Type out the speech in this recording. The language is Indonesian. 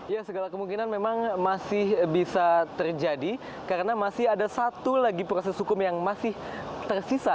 ya segala kemungkinan memang masih bisa terjadi karena masih ada satu lagi proses hukum yang masih tersisa